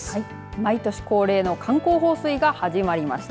毎年恒例の観光放水が始まりました。